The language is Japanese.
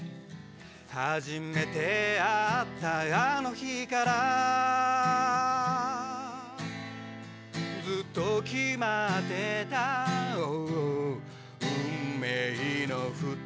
初めて会ったあの日からずっと決まってた運命の２人